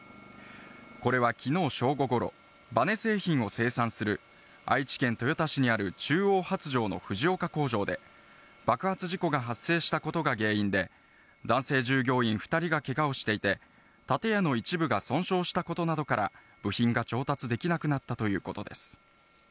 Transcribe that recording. これはきのう正午ごろ、ばね製品を生産する愛知県豊田市にある中央発條の藤岡工場で、爆発事故が発生したことが原因で、男性従業員２人がけがをしていて、建屋の一部が損傷したことなどから、部品が調達できなくなったということです。